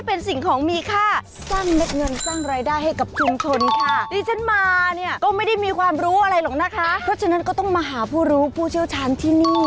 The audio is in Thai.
เพราะฉะนั้นก็ต้องมาหาผู้รู้ผู้เชี่ยวชาญที่นี่